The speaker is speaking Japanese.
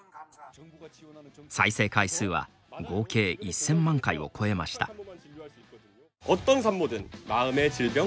再生回数は合計１０００万回を超えました。